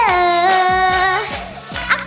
คืนนี้ว่างมะ